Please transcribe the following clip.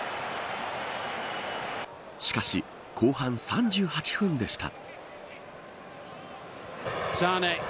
しかし、後半３８分でした。